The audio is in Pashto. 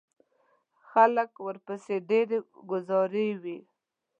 خلک درپسې ډیری گوزاروي.